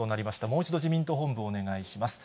もう一度、自民党本部をお願いします。